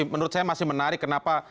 menurut saya masih menarik kenapa